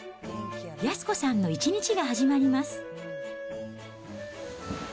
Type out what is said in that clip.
安子さんの一日が始まります。